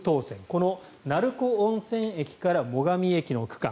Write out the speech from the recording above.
この鳴子温泉駅から最上駅の区間。